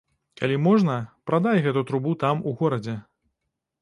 Калі можна, прадай гэту трубу там у горадзе.